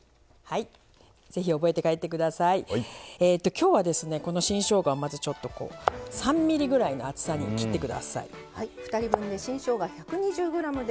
今日は新しょうがを３ｍｍぐらいの厚さに切ってください。